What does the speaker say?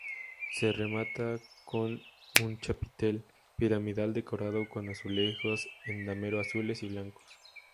Se remata con un chapitel piramidal decorado con azulejos en damero azules y blancos.